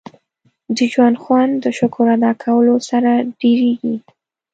• د ژوند خوند د شکر ادا کولو سره ډېرېږي.